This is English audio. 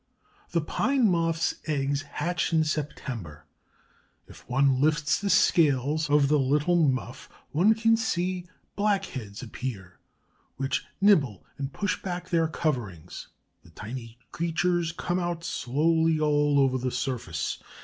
The Pine Moth's eggs hatch in September. If one lifts the scales of the little muff, one can see black heads appear, which nibble and push back their coverings. The tiny creatures come out slowly all over the surface.